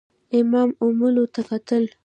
امام عملو ته کتل.